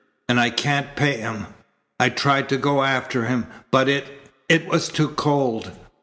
And I can't pay him. I tried to go after him, but it it was too cold."